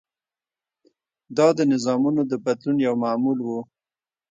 دا د نظامونو د بدلون یو معمول و.